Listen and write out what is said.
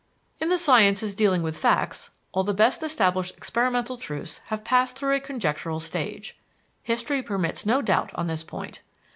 In the sciences dealing with facts, all the best established experimental truths have passed through a conjectural stage. History permits no doubt on this point.